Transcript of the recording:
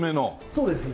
そうですね。